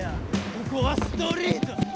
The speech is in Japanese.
ここはストリート